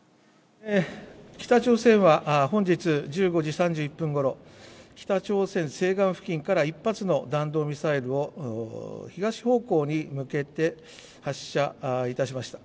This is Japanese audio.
北朝鮮は本日１５時３１分ごろ、北朝鮮西岸付近から１発の弾道ミサイルを、東方向に向けて発射いたしました。